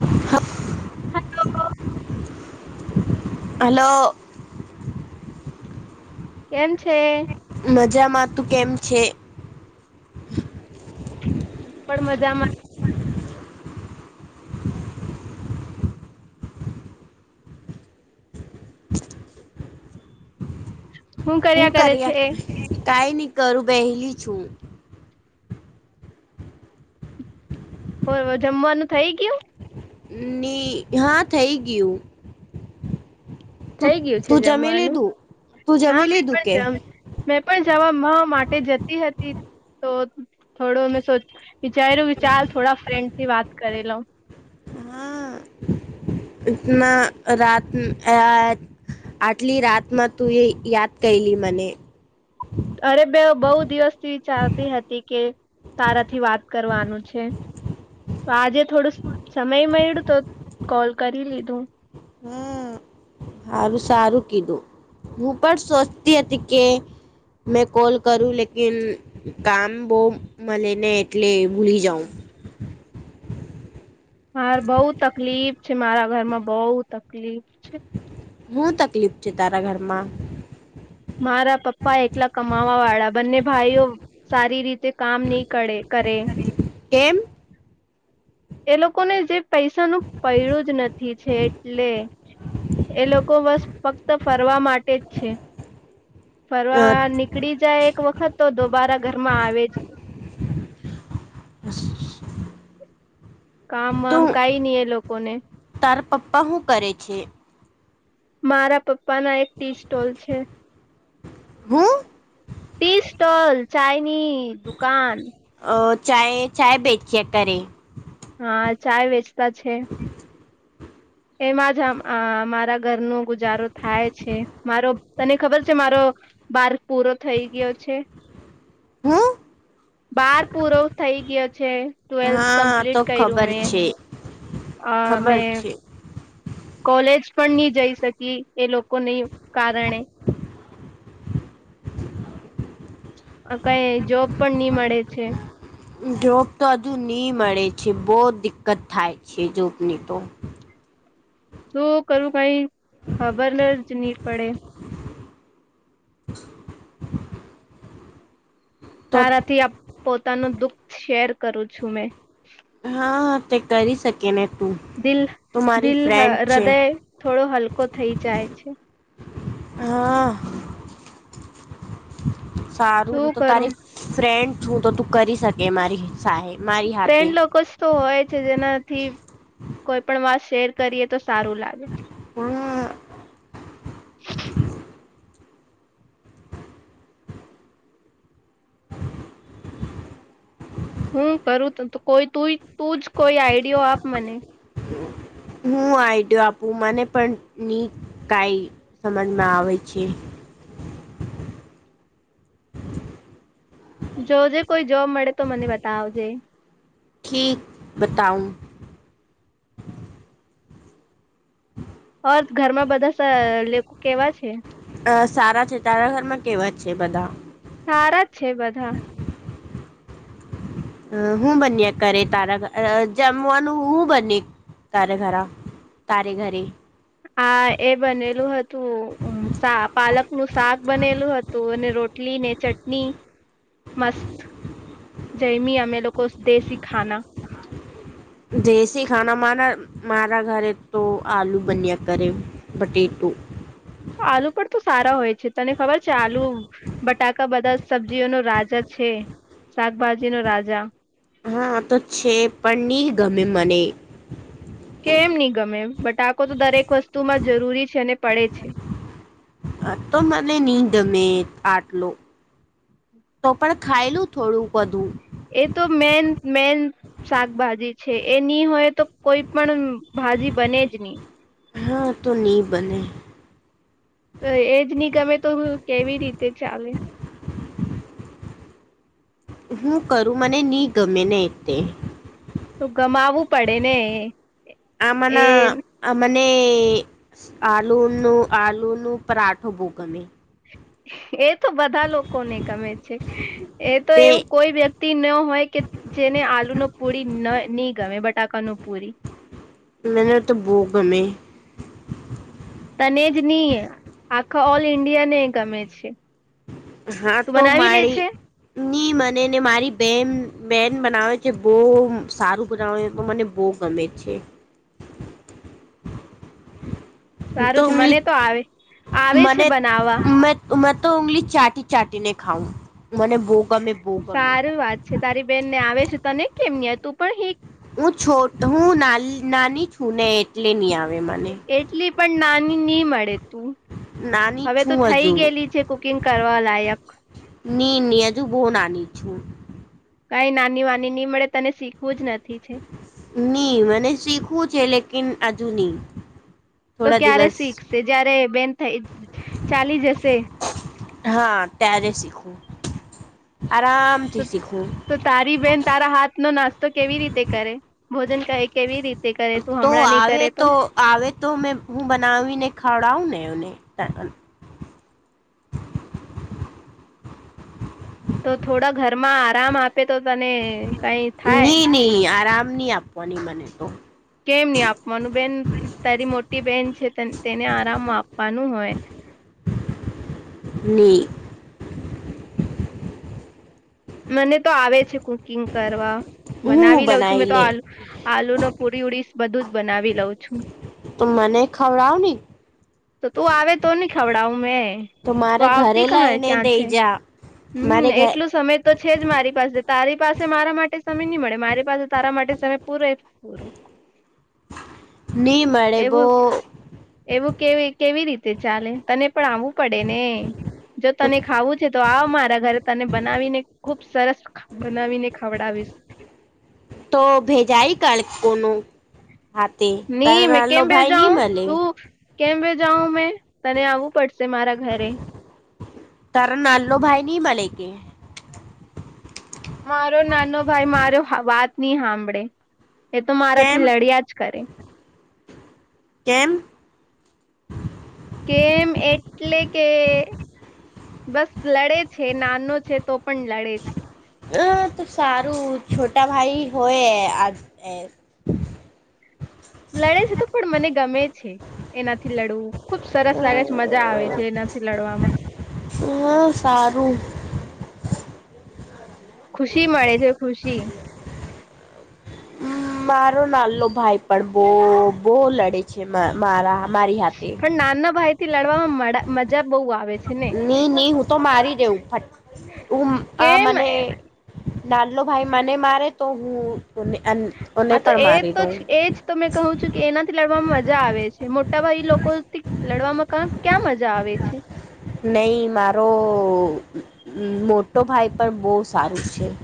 હા [inaudible] હલો! કેમ છે? મજામાં તું કેમ છે? પણ મજામાં. હું કર્યા કરે કઈ નહી કરું બેહેલી છું. જમવાનું થઈ ગયું? ની હા થઈ ગયું. તું થઈ ગયું છે તું જમે જમવાનું લીધું તું હા જમી મેં લીધું પણ કે? જમ મેં પણ જવામ માટે જતી હતી તો થોડું મેં વિચારું વિચાર થોડા ફ્રેન્ડથી વાત કરી લઉ. હા ના રાત અયાત આટલી રાતમાં તું એ યાદ કયરી મને? અરે બે બહુ દિવસથી વિચાવતી હતી કે તારાથી વાત કરવાનું છે. તો આજે થોડું સમય મળ્યું તો કોલ કરી લીધું. હમ હારું સારું કીધું હું પણ સોચતી હતી કે મે કૉલ કરું લેકિન કામ બહુ મલે ને ને એટલે ભૂલી જાઉં. મારે બઉ તકલીફ છે મારા ઘરમાં બઉ તકલીફ છે. હું તકલીફ છે તારા ઘરમાં? મારા પપ્પા એકલા કમાવાવાળા બંને ભાઈઓ સારી રીતે કામ નહી કળે કરે. એમ? એ લોકો ને જે પૈસા ન પડ્યું જ નથી છે એટલે એ લોકો બસ ફક્ત ફરવા માટે જ છે [unintelligible] અ ફરવાની નીકળી જાય એક વખત તો દોબારા ઘરમાં આવે જ કામ આમ તું કઈ નહી એ લોકોને તાર પપ્પા હું કરે છે? મારા પપ્પાના એક ટીસ્ટોલ છે. હું? ટીસ્ટોલ ચાઇની દુકાન. અ ચાય ચાય બેચ્યા કરે. હા ચાય વેચતા છે. [inaudible] એમાં જ મારા ઘરનો ગુજારો થાય છે મારો તને ખબર છે મારો બાર પૂરો થઈ ગયો છે. હું બાર પૂરો થઈ ગયો છે. ટ્વેલ્થ હા તો કમ્પ્લીટ કર્યું ખબર મેં છે અ ખબર મેં છે કોલેજ પણ નહી જઈ શકી એ લોકોની કારણે. આ કઈ જોબ પણ નઈ મળે છે. જોબ તો હજુ ની મળે છે બો દિકકત થાય છે જોબની તો. તું કરું કઈ ખબર જ નહી પડે. [inaudible] તો સારાથી પોતાનું દુઃખ શેર કરું છું મેં. હા તે કરી શકે ને તું દિલ તો મારી દિલ ફ્રેન્ડ છે. હૃદય થોડો હલકો થઈ જાય છે. હા. સારું શું હું તો કરું તારી ફ્રેન્ડ હું તો તું કરી શકે મારી સહે ફ્રેન્ડ લોકો તો હોય છે જેનાથી કોઈ પણ વાત શેર કરીએ તો સારું લાગે. હમ્મ. હું કરું ત કોઈ તું તું જ કોઈ આઈડિયો આપ મને? [inaudible] હું આ આઈડયો આપું મને પણ ની કઈ સમજમાં આવે છે. જોજ કોઈ જોબ મળે તો મને બતાવજે. ઠીક બતાઉ. [inaudible] હોર ઘરમાં બધા લોકો કેવા છે? અ સારા છે તારા ઘરમાં કેવા છે બધા? સારા છે બધા. અ હું બન્યા કરરે તારા જમવાનું હું બની તારા ઘરા? તારે ઘરે. હા એ બનેલું હતું સા પાલક નું શાક બનેલું હ તુ ને રોટલી ને ચટણી મસ્ત જૈમી અમે એ લોકો દેશી ખાના. દેશી ખાના મારા મારા ઘરે તો આલુ બન્યા કરે. પટેટું આલુ પણ તો સારા હોય છે તને ખબર છે આલુ બટાકા બધા સબ્જીઓ ન રાજા છે શાકભાજી નો રાજા. હા તો છે પણ નહી ગમે મને. કેમ નહી ગમે એમ બટાકો તો દરેક વસ્તુમાં જરૂરી છે અને પડે છે? હ તો મને નની જમે આટલો. તો પણ ખાયલું થોડું બધું. એ તો મેન મેન. શાકભાજી છે એ નહી હોય તો કોઈ પણ ભાજી બને જ નહી. હા તો નની બને એજ નહી ગમે તો કેવી રીતે ચાલે? હું કરું મને નહી ગમે ને તે. તોું ગમાવવું પડે ને એ. આમાંના આ મને આલુનું, આલુનું પરાઠો બુ ગમે. એ તો બધા લોકોને ગમે છે. એ તો તે એવું કોઈ વ્યક્ ક્તિ ન હોય કે જેને આલુ નું પુરી ન ની ગમે, બટાકા નું પુરી. મેને તો બુ ગમે. તને જ નહીં, આખા ઓલ ઇન્ડિયા ને ગમે છે. હા તું તો બનાવી લે મારી છે ની મને ને મારી બેન બેન બનાવે છે, બહુ સારું બનાવે તો મને બહુ ગમે છે. તો સારું છે [unintelligible] મને તો આવે આવે છે મને બનાવવા મ તો મે તો ઊંગલી ચાટી-ચાટીને ખાઉં, મને બહું ગમે. બહુ ગમે સારું વાત છે. તારી બેનને આવે છે, તને કેમ નહીં આવે? તું પણ હીખ. હું છોટ હું નાલ નાની છું ને એટલે નહીં આવે મને. એટલી પણ નાની ની મળે તું. નાની હવે તો છું થઈ હજુ ગયેલી છે કુકિંગ કરવા લાયક. ની, ની હજુ બહુ નાની છું. કાંઈ નાની વાની નહીં મળે, તને શીખવું જ નથી છે. ની મને શીખવું છે, લેકિન હજુ ની. તો થોડા ક્યારે દિવસ શીખશે? જયારે બેન થઈ, ચાલી જશે. હા, ત્યારે શીખું. આરામ તો તારી બેહેન તારા હાથ નો નાસ્તો કેવી રીતે કરે? ભોજન કહે કેવી રીત તે કરે તું તો હમણાં નહીં કરે આવે તો. આવે તો મેં હું બનાવીને ખવડાવું ને એવને. તો થોડા ઘરમાં આરામ આપે તો તને કંઈ થાય. ની ની આરામ ની આપ પોની મને તો. કેમ નહીં આપવાનું? બેન તારી મોટી બેન છે તેને આરામ આપવાનું હોય. ની. મને તો આવે છે કુકિંગ કરવા, હું બનાવી લઉં છું મેં તો લે આલું આલુ નો પુરી ઉડી વુડીસ બધું જ બનાવી લઉં છું. તો મને ખવડાવ ને. તો તું આવે તો ની ખવડાવું મેં. તો મારે ઘરે આવતી કહાં લઈને ક્યાં છે? દઈ જા હમ્મ મારે ઘ એટલું સમય તો છે જ મારી પાસે, તારી પાસે મારા માટે સમય ની મળે, મારી પાસે તારા માટે સમય પૂરે [unintelligible] નહી મળે બો એવું-એવું કેવી-કેવી રીતે ચાલે? તને પણ આવું. પડે ને. જો તને ખાવું છે તો આવ મારા ઘરે તને બનાવીને ખુબ સરસ બનાવીને ખવડાવીશ. તો ભેજાઈ કર કોનું. હાતે, તારે ની મેં નાનલો કેમ ભાઈ ની ભેજાઉ મલે. તું કેમ [unintelligible] જાઉં મેં, તને આવવું પડશે મારા ઘરે. તાર નાનલો ભાઈ ની મલે કે. મારો નાનો ભાઈ મારો વાત નહીં હાંભળે, એ તો કેમ મારાથી લડ્યા જ કરે. કેમ? કેમ એટલે કે બસ લડે છે, નાનો છે તો પણ લડે છે. હા તો સારું છોટા ભાઈ હોઈએ આ એ. લડે છે તો પણ મને ગમે છે, એનાથી લડવું. ખુબ સરસ લાગે છે, મજા આવે છે એનાથી લડવામાં. હા સારું. ખુશી મળે છે ખુશી. હમ્મ. મારો નાલોભાઈ પણ બહુ બહુ લડે છે મારા મારી હાથે. પણ નાના ભાઈથી લડવામાં મજા બહુ આવે. છે ને ની ની હું તો મારી દેઉં ફટ હું આ કેમ મને હા નાલો ભાઈ મને મારે તો હું એન અન હા તો એ તો જ એજ તો મેં કહું છું કે એનાથી લડવામાં મજા આવે છે મોટાભાઈ લોકોથી લડવામાં ક ક્યાં મજા આવે છે. નહી મારો મોટો ભાઈ પણ બહુ સારું છે.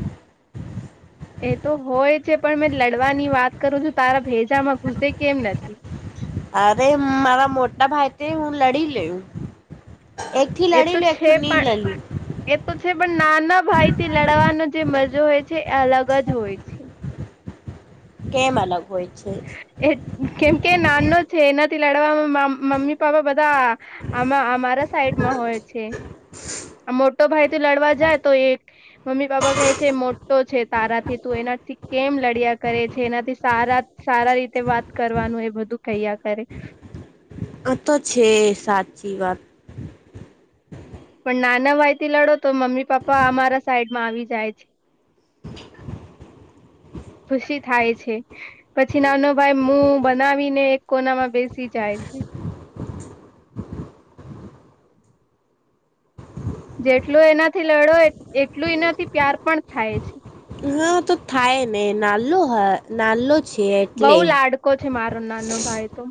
એ તો હોય છે પણ મેં લડવાની વાત કરું છું તારા ભેજામાં ઘુસે કેમ નથી? અરે મારા મોટા ભાઈ તે હું લડી લે. એક થી એ તો લડીલે એક છે પણ નીંદ લેલી. એ તો છે પણ નાના ભાઈ થી લડવાનો જે મજો હોય છે એ અલગ જ હોય છે. કેમ અલગ હોય છે? એ કેમ કે નાનો છે એનાથી લડવામાં મમ્મી પાપ્પા બધા આ અમારા સાઈડમાં હોય છે. આ મોટો ભાઈ તો લડવા જાય તો એક મમ્મી પાપા કહે છે મોટો છે. તારાથી તું એનાથી કેમ લડિયા કરે છે એનાથી સારા સારા રીતે વાત કરવાનું એ બધું કૈયા કરે. આતો છે સાચી વાત. પણ નાના ભાઈ થી લડો તો મમ્મી પપ્પા અમારા સાઈડ માં આવી જાય છે. ખુશી થાય છે. પછી નાનો ભાઈ મુું બનાવી ને એક કોનામાં બેસી જાય છે. જેટલું એનાથી લડો એટલું એનાથી પ્યાર પણ થાય છે. ના તો થાય ને નાલો હ નાલો છે એટલે. કો છે મારો નાનો ભાઈ તો.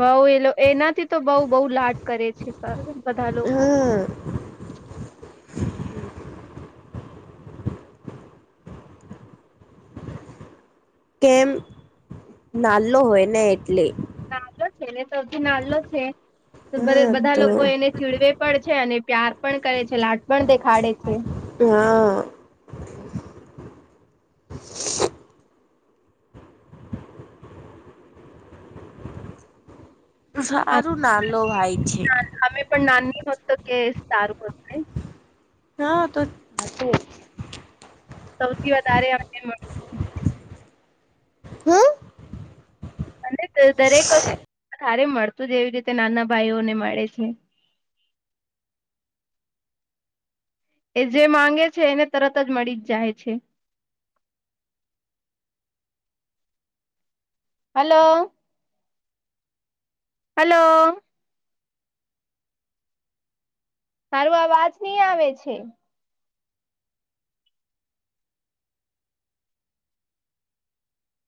બઉ એટ એનાથી તો બઉ બવ લાટ કરે છે સર બધા લોકો. હા કેમ? નાલો હોય ને એટલે. નાલો છે ને તો સૌથી નાલો છે હા બધા તો લોકો એને ચીડવે પણ છે અને પ્યાર પણ કરે છે, લાટ પણ દેખાડે છે. હા. સારું નાલો ભાઈ છે. અમે પણ નાની હત કે સારું હત. હા તો [unintelligible] સૌથી વધારે અમને [unintelligible] [inaudible] દરેક વસ્ ધારે મળતું જ એવી રીતે નાના ભાઈઓ ને મળે છે. એ જે માંગે છે એને તરત જ મળી જ જાય છે. હાલો. હાલો. તારું અવાજ ની આવે છે.